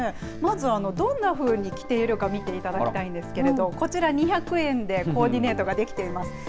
まず、どんなふうに着ているか見ていただきたいんですけれども、こちら、２００円でコーディネートができています。